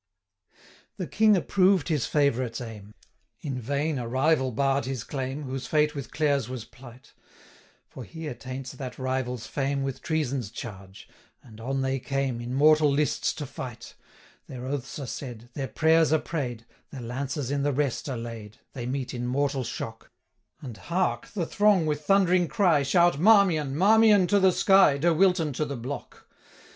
'The King approved his favourite's aim; In vain a rival barr'd his claim, Whose fate with Clare's was plight, 520 For he attaints that rival's fame With treason's charge and on they came, In mortal lists to fight. Their oaths are said, Their prayers are pray'd, 525 Their lances in the rest are laid, They meet in mortal shock; And hark! the throng, with thundering cry, Shout "Marmion, Marmion I to the sky, De Wilton to the block!"